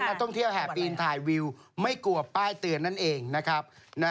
นักท่องเที่ยวแห่ปีนถ่ายวิวไม่กลัวป้ายเตือนนั่นเองนะครับ